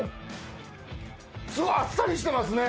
すごいあっさりしてますね！